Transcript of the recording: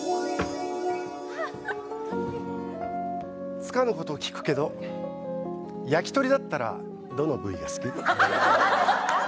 つかぬことを聞くけど、焼き鳥だったらどの部位が好き？